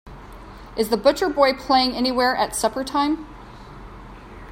Is The Butcher Boy playing anywhere at supper time?